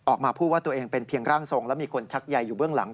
ออกมาพูดว่าตัวเองเป็นเพียงร่างทรงและมีคนชักใยอยู่เบื้องหลัง